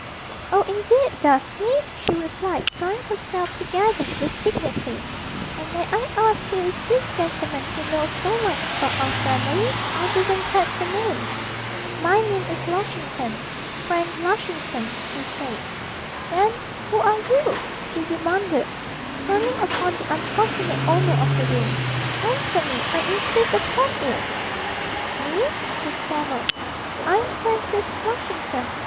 'Oh, indeed, does he?' she replied, drawing herself together with dignity; 'and may I ask who is this gentleman who knows so much about our family I didn't catch the name?' 'My name is Lushington Frank Lushington,' he said. 'Then who are you?' she demanded, turning upon the unfortunate owner of the rooms; 'answer me, I insist upon it!' 'Me?' he stammered, 'I'm Francis Flushington.